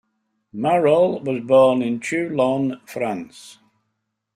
Mayol was born in Toulon, France.